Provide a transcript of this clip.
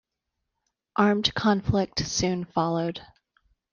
Armed conflict soon followed.